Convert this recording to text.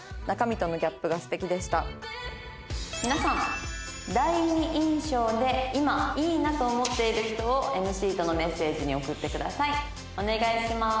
「皆さん第二印象で今いいなと思っている人をＭＣとのメッセージに送ってください」「お願いします」